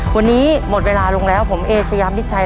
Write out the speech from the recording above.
วันนี้หมดเวลาลงแล้วผมเอเชยามิดชัย